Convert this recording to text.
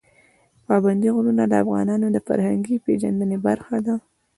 پابندی غرونه د افغانانو د فرهنګي پیژندنې برخه ده.